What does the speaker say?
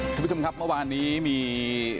คุณผู้ชมครับเมื่อวานนี้มี